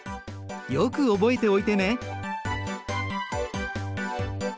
よく覚えておいてね。